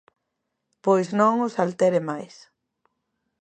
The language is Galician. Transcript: Pois non os altere máis.